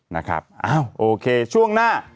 นะครับอ้าวโอเคช่วงหน้า